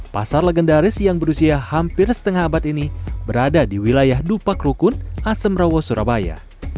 pasar legendaris yang berusia hampir setengah abad ini berada di wilayah dupa krukun asam rawo surabaya